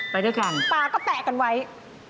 ไปด้วยกันปากก็แปะกันไว้ไปด้วยกัน